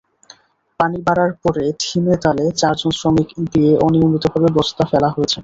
পানি বাড়ার পরে ঢিমেতালে চারজন শ্রমিক দিয়ে অনিয়মিতভাবে বস্তা ফেলা হয়েছে।